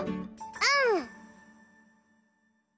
うん！